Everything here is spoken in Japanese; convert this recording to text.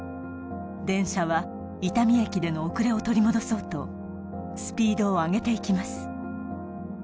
電車は伊丹駅での遅れを取り戻そうとスピードを上げていきます